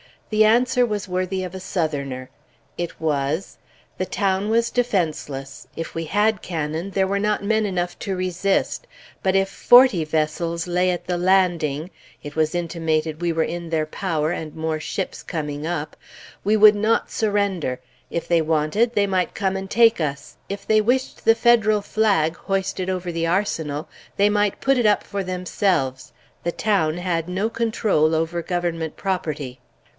The answer was worthy of a Southerner. It was, "The town was defenseless; if we had cannon, there were not men enough to resist; but if forty vessels lay at the landing, it was intimated we were in their power, and more ships coming up, we would not surrender; if they wanted, they might come and take us; if they wished the Federal flag hoisted over the Arsenal, they might put it up for themselves, the town had no control over Government property."